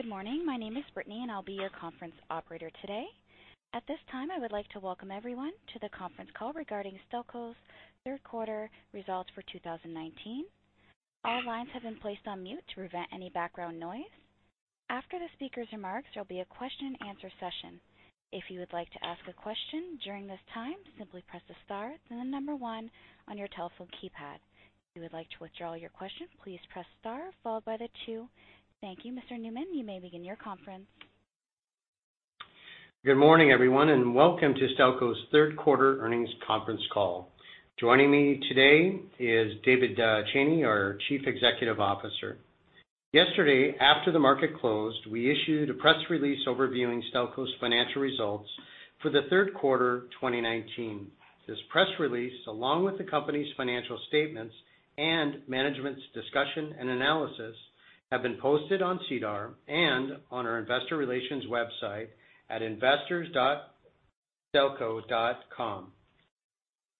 Good morning. My name is Brittany, and I'll be your conference operator today. At this time, I would like to welcome everyone to the conference call regarding Stelco's third quarter results for 2019. All lines have been placed on mute to prevent any background noise. After the speaker's remarks, there'll be a question and answer session. If you would like to ask a question during this time, simply press the star, then the number 1 on your telephone keypad. If you would like to withdraw your question, please press star followed by the two. Thank you. Mr. Newman, you may begin your conference. Good morning, everyone, welcome to Stelco's third quarter earnings conference call. Joining me today is David Cheney, our Chief Executive Officer. Yesterday, after the market closed, we issued a press release overviewing Stelco's financial results for the third quarter, 2019. This press release, along with the company's financial statements and management's discussion and analysis, have been posted on SEDAR and on our investor relations website at investors.stelco.com.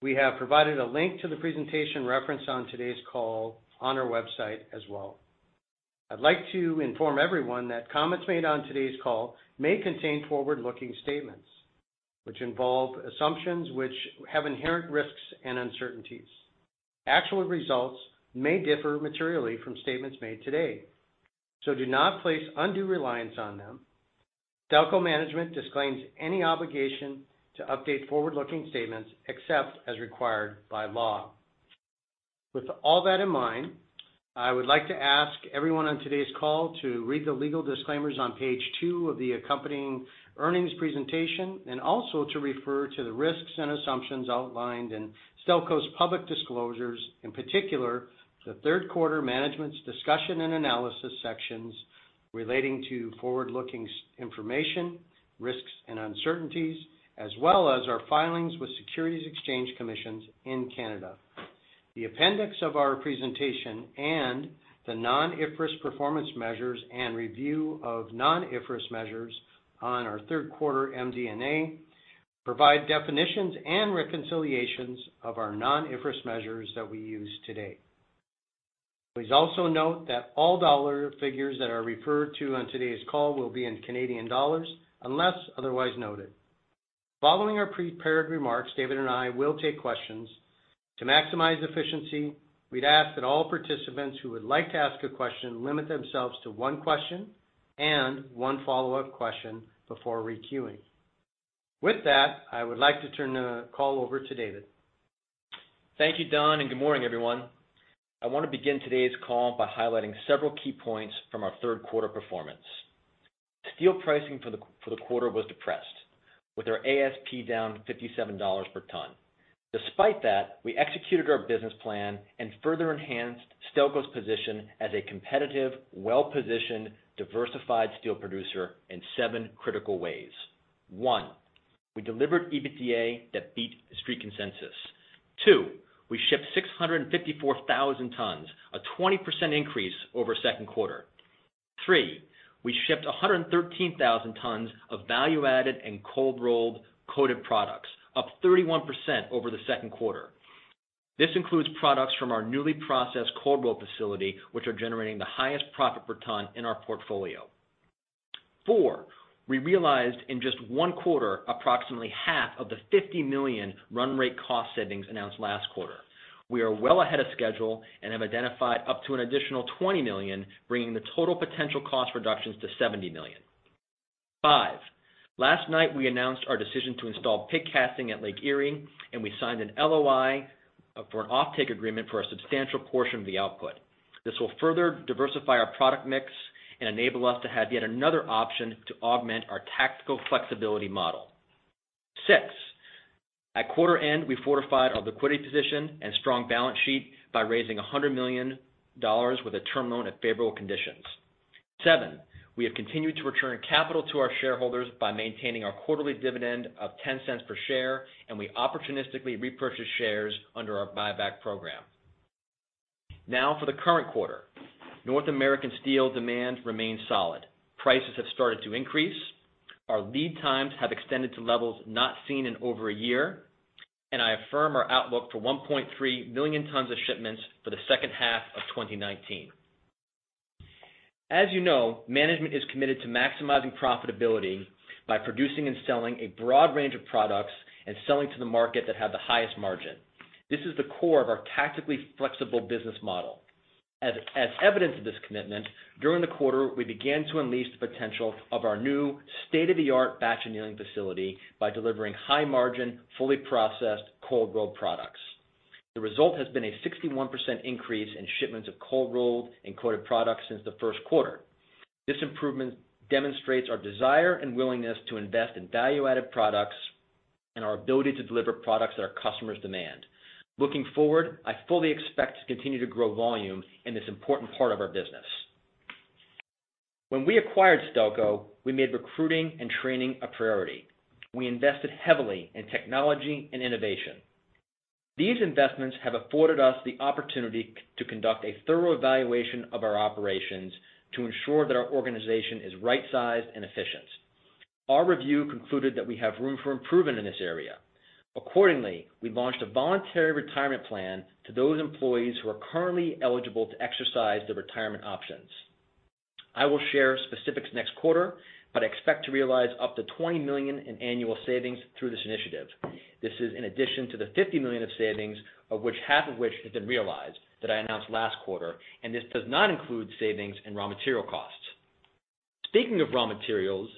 We have provided a link to the presentation referenced on today's call on our website as well. I'd like to inform everyone that comments made on today's call may contain forward-looking statements, which involve assumptions which have inherent risks and uncertainties. Actual results may differ materially from statements made today, do not place undue reliance on them. Stelco management disclaims any obligation to update forward-looking statements except as required by law. With all that in mind, I would like to ask everyone on today's call to read the legal disclaimers on page two of the accompanying earnings presentation, and also to refer to the risks and assumptions outlined in Stelco's public disclosures, in particular, the third quarter management's discussion and analysis sections relating to forward-looking information, risks, and uncertainties, as well as our filings with securities exchange commissions in Canada. The appendix of our presentation and the non-IFRS performance measures and review of non-IFRS measures on our third-quarter MD&A provide definitions and reconciliations of our non-IFRS measures that we use today. Please also note that all dollar figures that are referred to on today's call will be in Canadian dollars unless otherwise noted. Following our prepared remarks, David and I will take questions. To maximize efficiency, we'd ask that all participants who would like to ask a question limit themselves to one question and one follow-up question before re-queuing. With that, I would like to turn the call over to David. Thank you, Don, and good morning, everyone. I want to begin today's call by highlighting several key points from our third-quarter performance. Steel pricing for the quarter was depressed, with our ASP down 57 dollars per ton. Despite that, we executed our business plan and further enhanced Stelco's position as a competitive, well-positioned, diversified steel producer in seven critical ways. One, we delivered EBITDA that beat the street consensus. Two, we shipped 654,000 tons, a 20% increase over second quarter. Three, we shipped 113,000 tons of value-added and cold-rolled coated products, up 31% over the second quarter. This includes products from our newly processed cold roll facility, which are generating the highest profit per ton in our portfolio. Four, we realized in just one quarter, approximately half of the 50 million run rate cost savings announced last quarter. We are well ahead of schedule and have identified up to an additional 20 million, bringing the total potential cost reductions to 70 million. 5, last night, we announced our decision to install pig casting at Lake Erie, and we signed an LOI for an offtake agreement for a substantial portion of the output. This will further diversify our product mix and enable us to have yet another option to augment our tactical flexibility model. 6, at quarter end, we fortified our liquidity position and strong balance sheet by raising 100 million dollars with a term loan at favorable conditions. 7, we have continued to return capital to our shareholders by maintaining our quarterly dividend of 0.10 per share. We opportunistically repurchase shares under our buyback program. For the current quarter. North American steel demand remains solid. Prices have started to increase. Our lead times have extended to levels not seen in over a year. I affirm our outlook for 1.3 million tons of shipments for the second half of 2019. As you know, management is committed to maximizing profitability by producing and selling a broad range of products and selling to the market that have the highest margin. This is the core of our tactically flexible business model. As evidence of this commitment, during the quarter, we began to unleash the potential of our new state-of-the-art batch annealing facility by delivering high-margin, fully processed cold-rolled products. The result has been a 61% increase in shipments of cold-rolled and coated products since the first quarter. This improvement demonstrates our desire and willingness to invest in value-added products and our ability to deliver products that our customers demand. Looking forward, I fully expect to continue to grow volume in this important part of our business. When we acquired Stelco, we made recruiting and training a priority. We invested heavily in technology and innovation. These investments have afforded us the opportunity to conduct a thorough evaluation of our operations to ensure that our organization is right-sized and efficient. Our review concluded that we have room for improvement in this area. Accordingly, we launched a voluntary retirement plan to those employees who are currently eligible to exercise their retirement options. I will share specifics next quarter, but expect to realize up to 20 million in annual savings through this initiative. This is in addition to the 50 million of savings, of which half of which has been realized, that I announced last quarter. This does not include savings in raw material costs. Speaking of raw materials,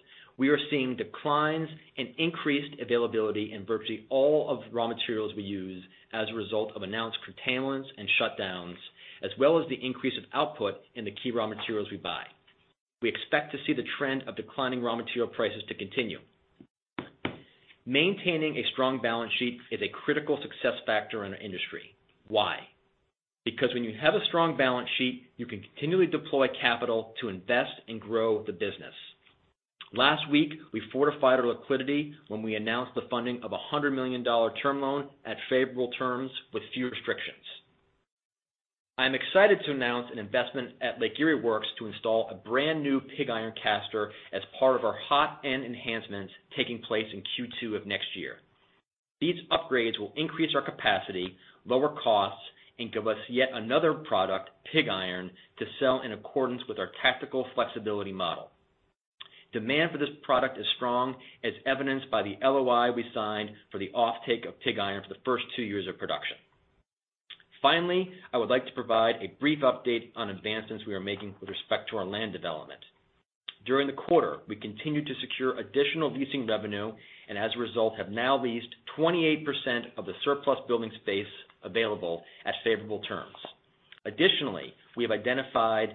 we are seeing declines in increased availability in virtually all of the raw materials we use as a result of announced curtailments and shutdowns, as well as the increase of output in the key raw materials we buy. We expect to see the trend of declining raw material prices to continue. Maintaining a strong balance sheet is a critical success factor in our industry. Why? When you have a strong balance sheet, you can continually deploy capital to invest and grow the business. Last week, we fortified our liquidity when we announced the funding of a 100 million dollar term loan at favorable terms with few restrictions. I am excited to announce an investment at Lake Erie Works to install a brand-new pig iron caster as part of our hot end enhancements taking place in Q2 of next year. These upgrades will increase our capacity, lower costs, and give us yet another product, pig iron, to sell in accordance with our tactical flexibility model. Demand for this product is strong, as evidenced by the LOI we signed for the offtake of pig iron for the first two years of production. Finally, I would like to provide a brief update on advancements we are making with respect to our land development. During the quarter, we continued to secure additional leasing revenue, and as a result, have now leased 28% of the surplus building space available at favorable terms. Additionally, we have identified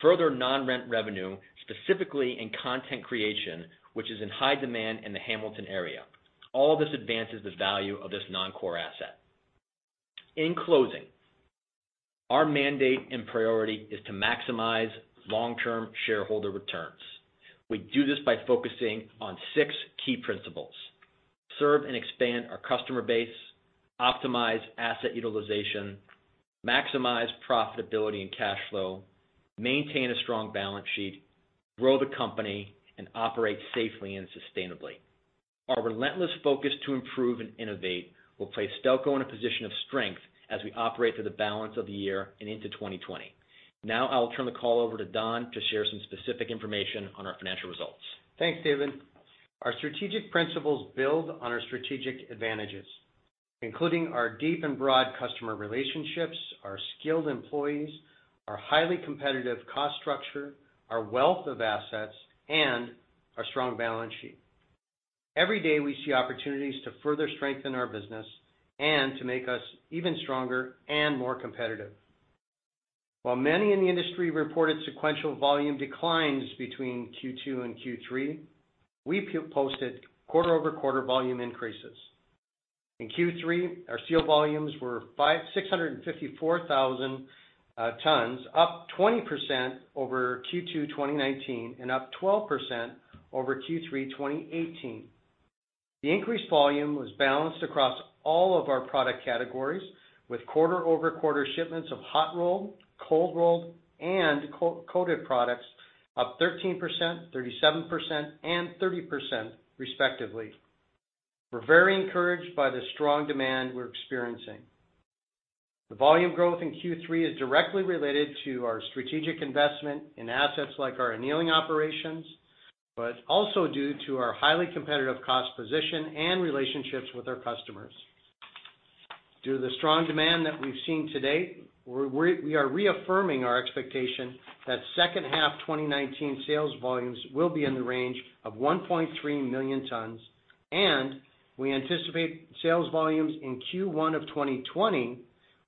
further non-rent revenue, specifically in content creation, which is in high demand in the Hamilton area. All this advances the value of this non-core asset. In closing, our mandate and priority is to maximize long-term shareholder returns. We do this by focusing on six key principles: serve and expand our customer base, optimize asset utilization, maximize profitability and cash flow, maintain a strong balance sheet, grow the company, and operate safely and sustainably. Our relentless focus to improve and innovate will place Stelco in a position of strength as we operate through the balance of the year and into 2020. Now I will turn the call over to Don to share some specific information on our financial results. Thanks, David. Our strategic principles build on our strategic advantages, including our deep and broad customer relationships, our skilled employees, our highly competitive cost structure, our wealth of assets, and our strong balance sheet. Every day, we see opportunities to further strengthen our business and to make us even stronger and more competitive. While many in the industry reported sequential volume declines between Q2 and Q3, we posted quarter-over-quarter volume increases. In Q3, our steel volumes were 654,000 tons, up 20% over Q2 2019, and up 12% over Q3 2018. The increased volume was balanced across all of our product categories, with quarter-over-quarter shipments of hot-rolled, cold-rolled, and coated products up 13%, 37%, and 30% respectively. We're very encouraged by the strong demand we're experiencing. The volume growth in Q3 is directly related to our strategic investment in assets like our annealing operations, but also due to our highly competitive cost position and relationships with our customers. Due to the strong demand that we've seen to date, we are reaffirming our expectation that second half 2019 sales volumes will be in the range of 1.3 million tons, and we anticipate sales volumes in Q1 of 2020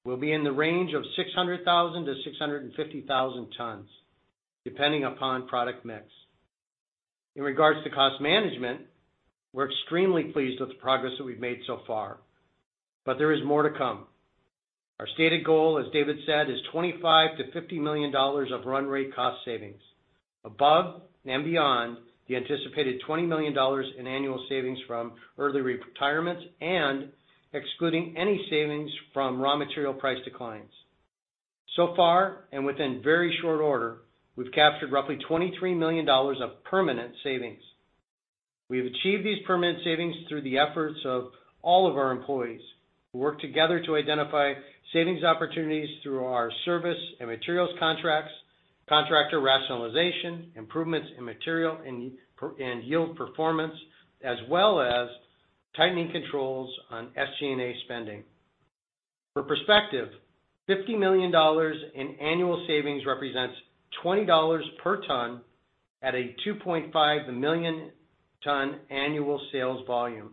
will be in the range of 600,000-650,000 tons, depending upon product mix. In regards to cost management, we're extremely pleased with the progress that we've made so far, but there is more to come. Our stated goal, as David said, is 25 million-50 million dollars of run rate cost savings above and beyond the anticipated 20 million dollars in annual savings from early retirements and excluding any savings from raw material price declines. Far, and within very short order, we've captured roughly 23 million dollars of permanent savings. We have achieved these permanent savings through the efforts of all of our employees, who work together to identify savings opportunities through our service and materials contracts, contractor rationalization, improvements in material and yield performance, as well as tightening controls on SG&A spending. For perspective, 50 million dollars in annual savings represents 20 dollars per ton at a 2.5 million ton annual sales volume,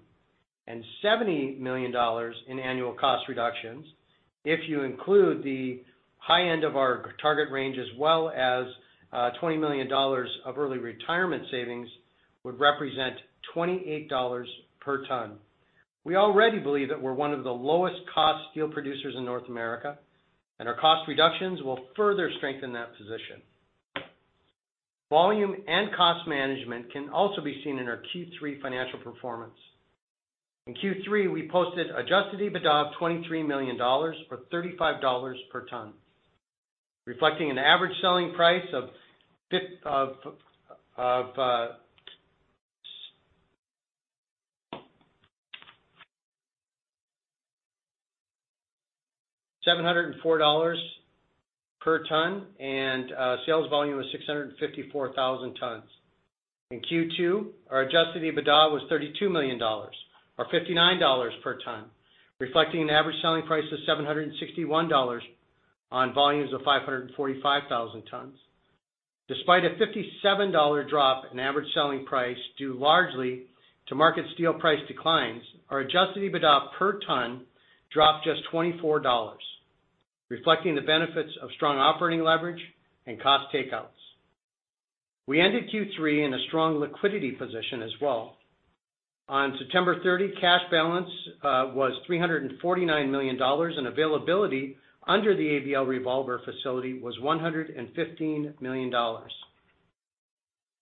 and 70 million dollars in annual cost reductions if you include the high end of our target range, as well as 20 million dollars of early retirement savings would represent 28 dollars per ton. We already believe that we're one of the lowest cost steel producers in North America, and our cost reductions will further strengthen that position. Volume and cost management can also be seen in our Q3 financial performance. In Q3, we posted adjusted EBITDA of 23 million dollars, or 35 dollars per ton. Reflecting an average selling price of CAD 704 per ton, sales volume was 654,000 tons. In Q2, our adjusted EBITDA was 32 million dollars or 59 dollars per ton, reflecting an average selling price of 761 dollars on volumes of 545,000 tons. Despite a 57 dollar drop in average selling price due largely to market steel price declines, our adjusted EBITDA per ton dropped just 24 dollars, reflecting the benefits of strong operating leverage and cost takeouts. We ended Q3 in a strong liquidity position as well. On September 30, cash balance was 349 million dollars, and availability under the ABL revolver facility was 115 million dollars.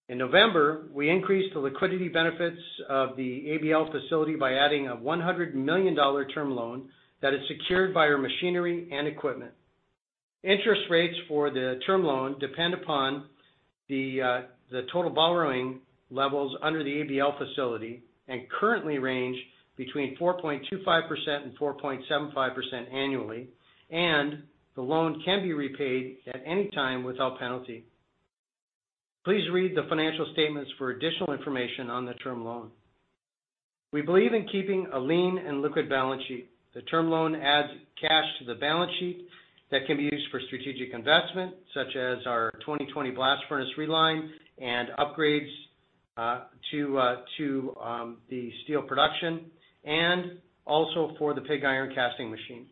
In November, we increased the liquidity benefits of the ABL facility by adding a 100 million dollar term loan that is secured by our machinery and equipment. Interest rates for the term loan depend upon the total borrowing levels under the ABL facility and currently range between 4.25% and 4.75% annually, and the loan can be repaid at any time without penalty. Please read the financial statements for additional information on the term loan. We believe in keeping a lean and liquid balance sheet. The term loan adds cash to the balance sheet that can be used for strategic investment, such as our 2020 blast furnace reline and upgrades to the steel production, and also for the pig iron casting machine.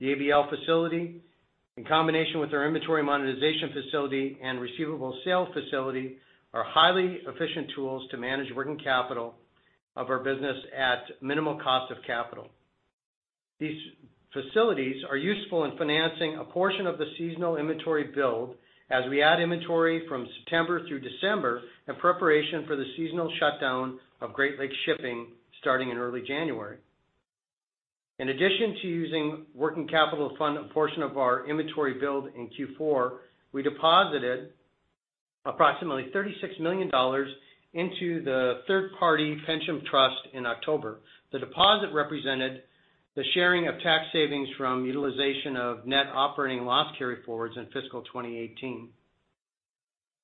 The ABL facility, in combination with our inventory monetization facility and receivable sales facility, are highly efficient tools to manage working capital of our business at minimal cost of capital. These facilities are useful in financing a portion of the seasonal inventory build as we add inventory from September through December in preparation for the seasonal shutdown of Great Lakes shipping starting in early January. In addition to using working capital to fund a portion of our inventory build in Q4, we deposited approximately 36 million dollars into the third-party pension trust in October. The deposit represented the sharing of tax savings from utilization of net operating loss carryforwards in fiscal 2018.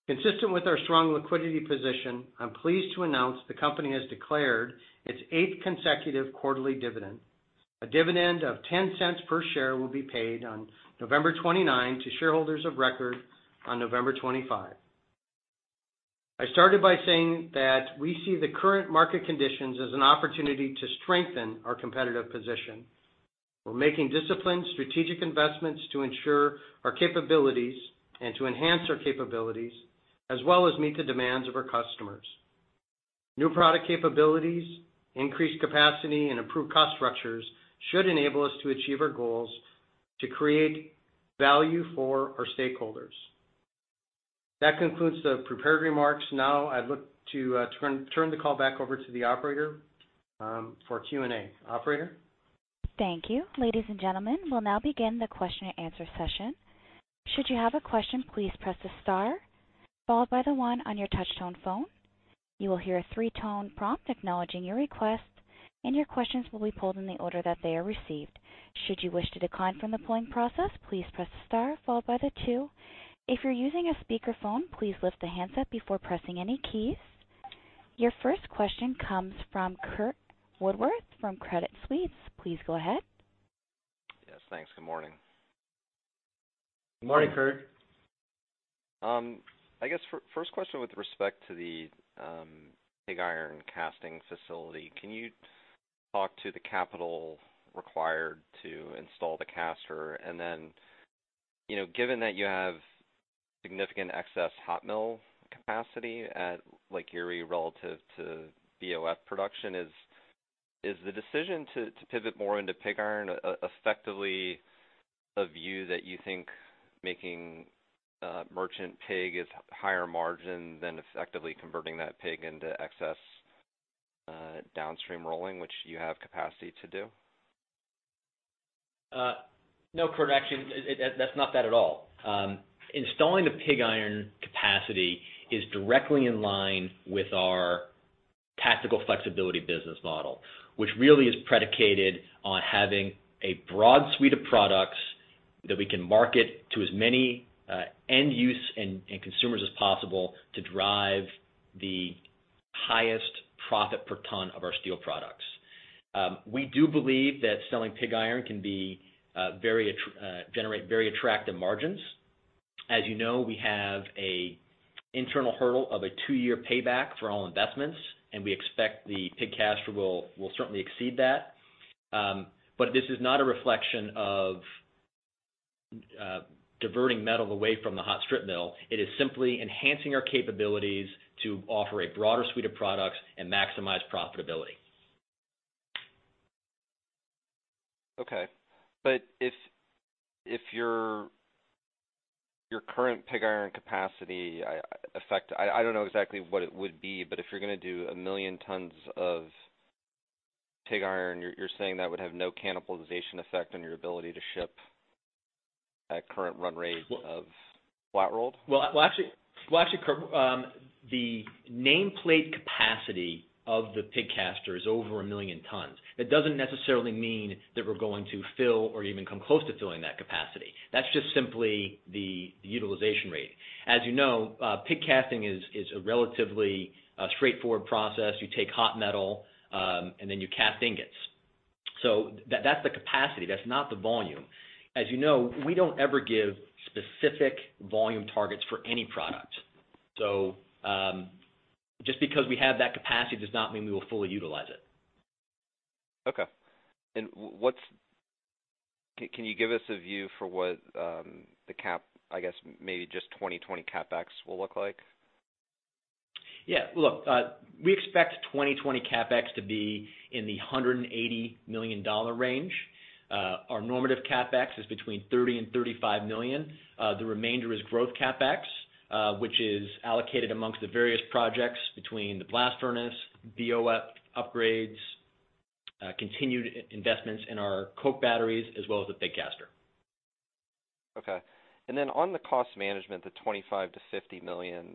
Consistent with our strong liquidity position, I'm pleased to announce the company has declared its eighth consecutive quarterly dividend. A dividend of 0.10 per share will be paid on November 29 to shareholders of record on November 25. I started by saying that we see the current market conditions as an opportunity to strengthen our competitive position. We're making disciplined strategic investments to ensure our capabilities and to enhance our capabilities as well as meet the demands of our customers. New product capabilities, increased capacity, and improved cost structures should enable us to achieve our goals to create value for our stakeholders. That concludes the prepared remarks. Now I look to turn the call back over to the operator for Q&A. Operator? Thank you. Ladies and gentlemen, we'll now begin the question and answer session. Should you have a question, please press the star followed by the one on your touch-tone phone. You will hear a three-tone prompt acknowledging your request, and your questions will be pulled in the order that they are received. Should you wish to decline from the pulling process, please press star followed by the two. If you're using a speakerphone, please lift the handset before pressing any keys. Your first question comes from Curt Woodworth from Credit Suisse. Please go ahead. Yes, thanks. Good morning. Good morning, Curt. I guess first question with respect to the pig iron casting facility. Can you talk to the capital required to install the caster? Given that you have significant excess hot mill capacity at Lake Erie relative to BOF production, is the decision to pivot more into pig iron effectively a view that you think making merchant pig is higher margin than effectively converting that pig into excess downstream rolling, which you have capacity to do? No, Curt, actually, that's not that at all. Installing the pig iron capacity is directly in line with our tactical flexibility business model, which really is predicated on having a broad suite of products that we can market to as many end use and consumers as possible to drive the highest profit per ton of our steel products. We do believe that selling pig iron can generate very attractive margins. As you know, we have an internal hurdle of a two-year payback for all investments, and we expect the pig caster will certainly exceed that. This is not a reflection of diverting metal away from the hot strip mill. It is simply enhancing our capabilities to offer a broader suite of products and maximize profitability. Okay. If your current pig iron capacity, I don't know exactly what it would be, if you're going to do 1 million tons of pig iron, you're saying that would have no cannibalization effect on your ability to ship at current run rate of flat-rolled? Actually, Curt, the nameplate capacity of the pig caster is over 1 million tons. That doesn't necessarily mean that we're going to fill or even come close to filling that capacity. That's just simply the utilization rate. As you know, pig casting is a relatively straightforward process. You take hot metal, and then you cast ingots. That's the capacity, that's not the volume. As you know, we don't ever give specific volume targets for any product. Just because we have that capacity does not mean we will fully utilize it. Okay. Can you give us a view for what the 2020 CapEx will look like? Yeah. Look, we expect 2020 CapEx to be in the 180 million dollar range. Our normative CapEx is between 30 million and 35 million. The remainder is growth CapEx, which is allocated amongst the various projects between the blast furnace, BOF upgrades, continued investments in our coke batteries, as well as the pig caster. Okay. On the cost management, the 25 million to 50 million,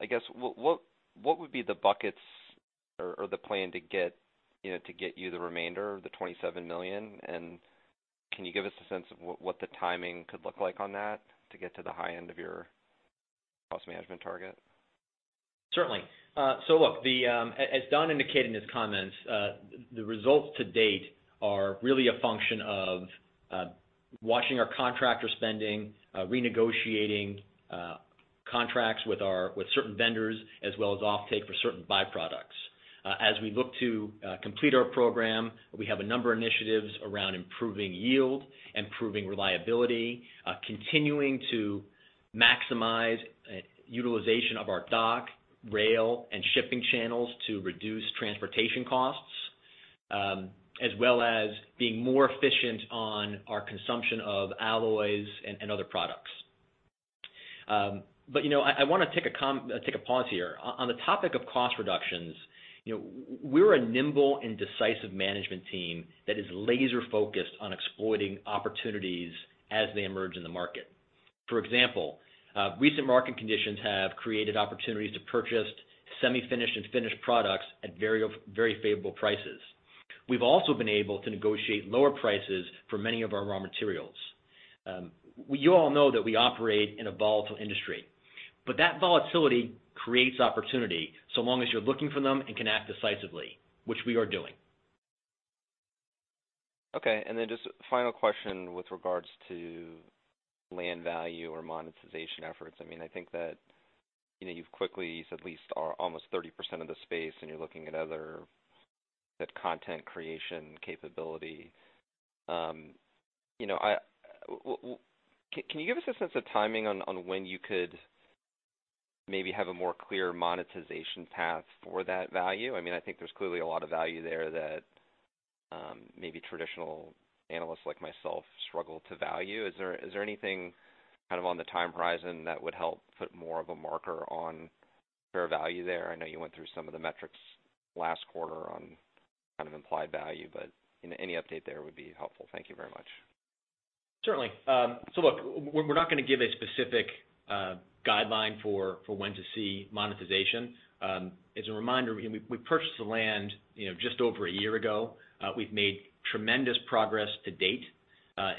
I guess, what would be the buckets or the plan to get you the remainder of the 27 million? Can you give us a sense of what the timing could look like on that to get to the high end of your cost management target? Certainly. Look, as Don indicated in his comments, the results to date are really a function of watching our contractor spending, renegotiating contracts with certain vendors, as well as offtake for certain byproducts. As we look to complete our program, we have a number of initiatives around improving yield, improving reliability, continuing to maximize utilization of our dock, rail, and shipping channels to reduce transportation costs, as well as being more efficient on our consumption of alloys and other products. I want to take a pause here. On the topic of cost reductions, we're a nimble and decisive management team that is laser-focused on exploiting opportunities as they emerge in the market. For example, recent market conditions have created opportunities to purchase semi-finished and finished products at very favorable prices. We've also been able to negotiate lower prices for many of our raw materials. You all know that we operate in a volatile industry, but that volatility creates opportunity, so long as you're looking for them and can act decisively, which we are doing. Okay. Then just a final question with regards to land value or monetization efforts. I think that you've quickly leased at least almost 30% of the space, and you're looking at other content creation capability. Can you give us a sense of timing on when you could maybe have a more clear monetization path for that value? I think there's clearly a lot of value there that maybe traditional analysts like myself struggle to value. Is there anything on the time horizon that would help put more of a marker on fair value there? I know you went through some of the metrics last quarter on implied value, any update there would be helpful. Thank you very much. Certainly. Look, we're not going to give a specific guideline for when to see monetization. As a reminder, we purchased the land just over a year ago. We've made tremendous progress to date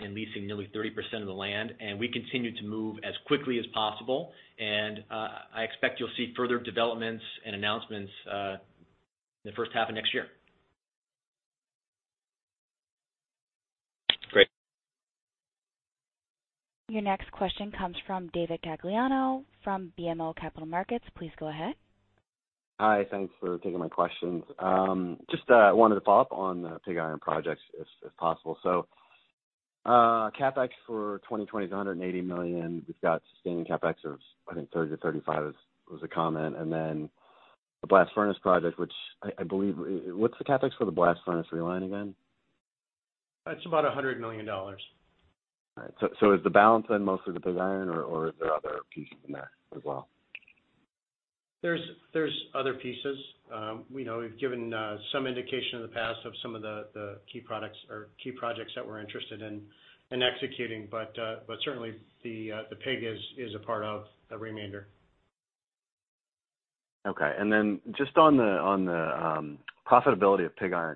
in leasing nearly 30% of the land, and we continue to move as quickly as possible. I expect you'll see further developments and announcements in the first half of next year. Great. Your next question comes from David Gagliano from BMO Capital Markets. Please go ahead. Hi. Thanks for taking my questions. Just wanted to follow up on the pig iron projects, if possible. CapEx for 2020 is 180 million. We've got sustaining CapEx of, I think, 30-35 was the comment. The blast furnace project, what's the CapEx for the blast furnace realign again? It's about 100 million dollars. All right. Is the balance then mostly the pig iron, or are there other pieces in there as well? There's other pieces. We've given some indication in the past of some of the key products or key projects that we're interested in executing, but certainly the pig is a part of the remainder. Okay. Then just on the profitability of pig iron,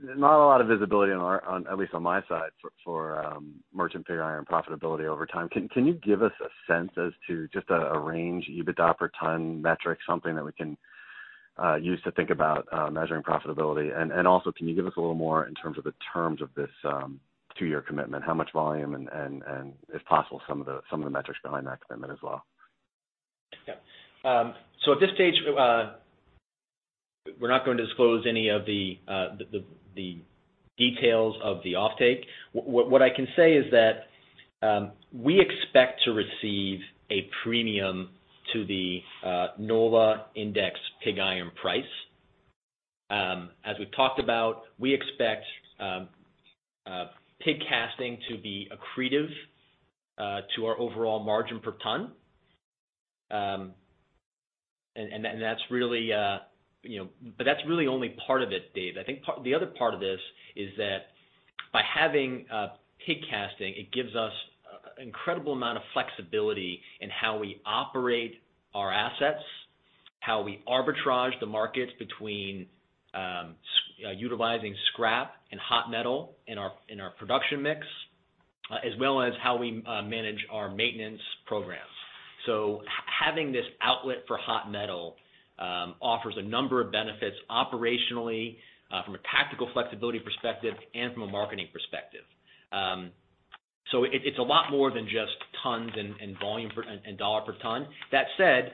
not a lot of visibility, at least on my side, for merchant pig iron profitability over time. Can you give us a sense as to just a range, EBITDA per ton metric, something that we can use to think about measuring profitability? Also, can you give us a little more in terms of the terms of this two-year commitment? How much volume, and if possible, some of the metrics behind that commitment as well? Yeah. At this stage, we're not going to disclose any of the details of the offtake. What I can say is that we expect to receive a premium to the NOLA index pig iron price. As we've talked about, we expect pig casting to be accretive to our overall margin per ton. That's really only part of it, Dave. I think the other part of this is that by having pig casting, it gives us incredible amount of flexibility in how we operate our assets, how we arbitrage the markets between utilizing scrap and hot metal in our production mix, as well as how we manage our maintenance programs. Having this outlet for hot metal offers a number of benefits operationally, from a tactical flexibility perspective, and from a marketing perspective. It's a lot more than just tons and volume and dollar per ton. That said,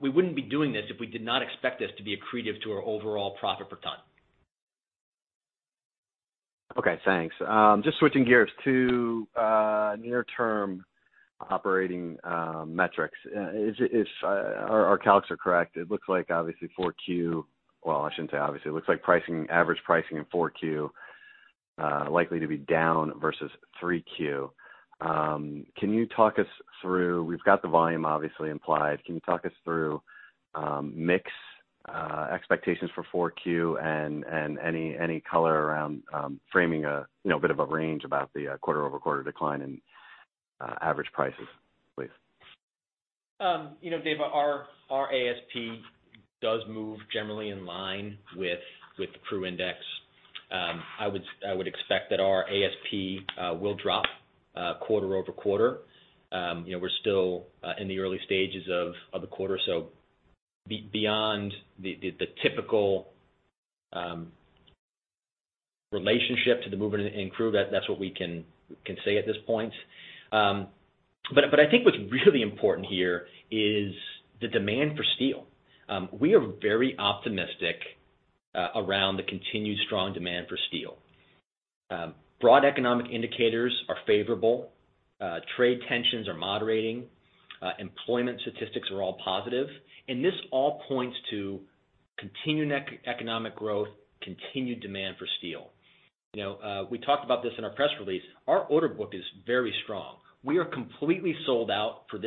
we wouldn't be doing this if we did not expect this to be accretive to our overall profit per ton. Okay, thanks. Just switching gears to near-term operating metrics. If our calcs are correct, it looks like obviously four Q, well, I shouldn't say obviously. It looks like average pricing in four Q likely to be down versus three Q. We've got the volume obviously implied. Can you talk us through mix expectations for four Q and any color around framing a bit of a range about the quarter-over-quarter decline in average prices, please? Dave, our ASP does move generally in line with the CRU index. I would expect that our ASP will drop quarter-over-quarter. We're still in the early stages of the quarter, so beyond the typical relationship to the movement in CRU, that's what we can say at this point. I think what's really important here is the demand for steel. We are very optimistic around the continued strong demand for steel. Broad economic indicators are favorable. Trade tensions are moderating. Employment statistics are all positive, and this all points to continued economic growth, continued demand for steel. We talked about this in our press release. Our order book is very strong. We are completely sold out for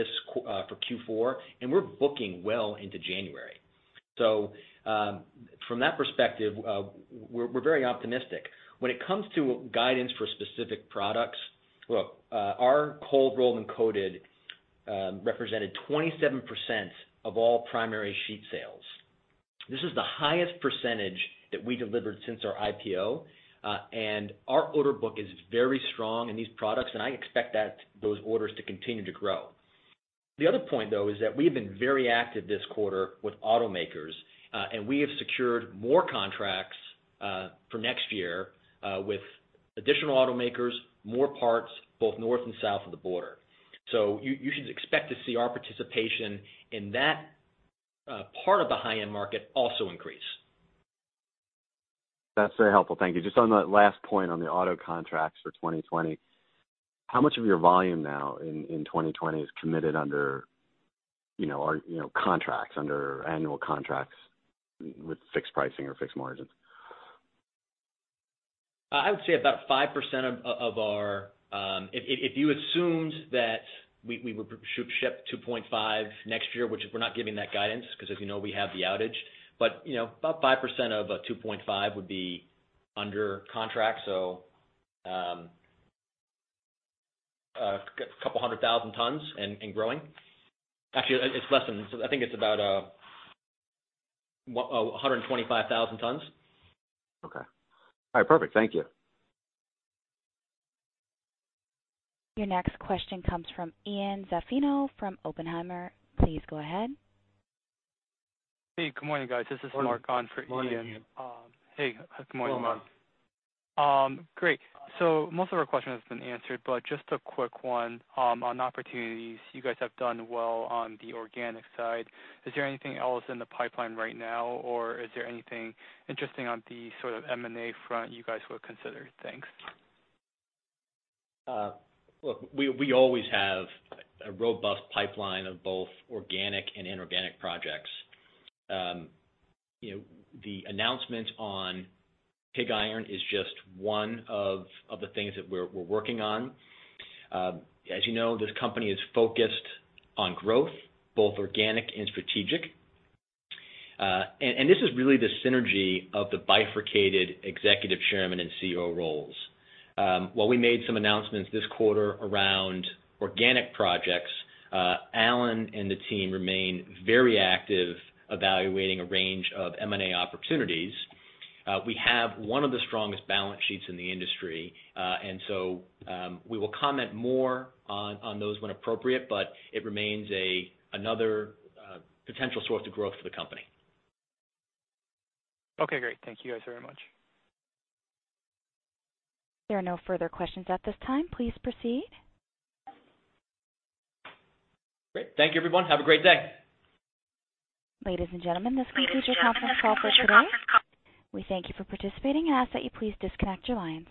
Q4, and we're booking well into January. From that perspective, we're very optimistic. When it comes to guidance for specific products, look, our cold roll and coated represented 27% of all primary sheet sales. This is the highest percentage that we delivered since our IPO. Our order book is very strong in these products, and I expect those orders to continue to grow. The other point, though, is that we have been very active this quarter with automakers. We have secured more contracts for next year with additional automakers, more parts, both north and south of the border. You should expect to see our participation in that part of the high-end market also increase. That's very helpful. Thank you. On that last point on the auto contracts for 2020, how much of your volume now in 2020 is committed under annual contracts with fixed pricing or fixed margins? I would say about 5% of our If you assumed that we would ship 2.5 next year, which we're not giving that guidance, because as you know, we have the outage. About 5% of 2.5 would be under contract, so 200,000 tons and growing. Actually, it's less than. I think it's about 125,000 tons. Okay. All right, perfect. Thank you. Your next question comes from Ian Zaffino from Oppenheimer. Please go ahead. Hey, good morning, guys. This is Mark on for Ian. Morning. Hey, good morning, Mark. Great. Most of our questions have been answered, but just a quick one on opportunities. You guys have done well on the organic side. Is there anything else in the pipeline right now, or is there anything interesting on the sort of M&A front you guys would consider? Thanks. Look, we always have a robust pipeline of both organic and inorganic projects. The announcement on pig iron is just one of the things that we're working on. As you know, this company is focused on growth, both organic and strategic. This is really the synergy of the bifurcated Executive Chairman and CEO roles. While we made some announcements this quarter around organic projects, Alan and the team remain very active evaluating a range of M&A opportunities. We have one of the strongest balance sheets in the industry. We will comment more on those when appropriate, but it remains another potential source of growth for the company. Okay, great. Thank you guys very much. There are no further questions at this time. Please proceed. Great. Thank you, everyone. Have a great day. Ladies and gentlemen, this concludes your conference call for today. We thank you for participating and ask that you please disconnect your lines.